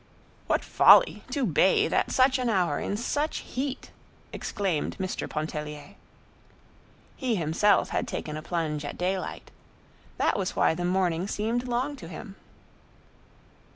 "What folly! to bathe at such an hour in such heat!" exclaimed Mr. Pontellier. He himself had taken a plunge at daylight. That was why the morning seemed long to him.